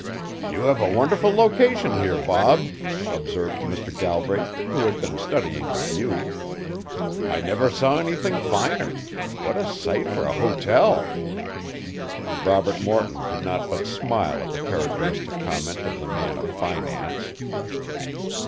"You have a wonderful location here, Bob," observed Mr. Galbraith who had been studying the view. "I never saw anything finer. What a site for a hotel!" Robert Morton could not but smile at the characteristic comment of the man of finance.